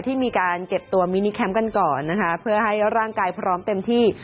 ที่มีการเก็บตัวมินิแคมป์กันก่อนนะคะเพื่อให้ร่างกายพร้อมเต็มที่